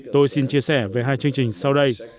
tôi xin chia sẻ về hai chương trình sau đây